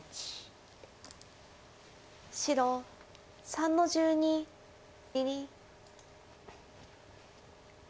白３の十二切り。